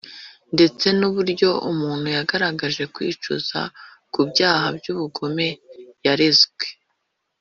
ndetse n’uburyo umuntu yagaragaje kwicuza ku byaha by’ubugome yarezwe